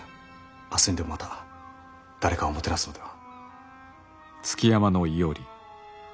明日にでもまた誰かをもてなすのでは。